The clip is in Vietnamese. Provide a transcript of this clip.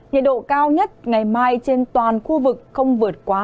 nhiệt độ cao nhất ngày mai trên toàn khu vực không vượt quá